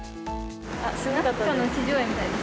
すごかったです。